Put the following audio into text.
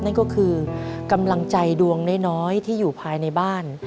นั่นก็คือกำลังใจดวงน้อยที่อยู่ภายในบ้าน